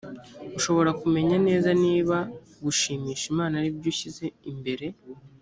ushobora kumenya neza niba gushimisha imana ari byo ushyize imbere